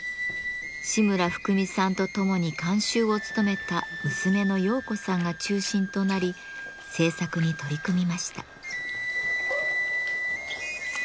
志村ふくみさんとともに監修を務めた娘の洋子さんが中心となり制作に取り組みました。